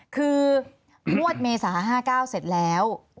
คืองวดเมษา๕๙เสร็จแล้ว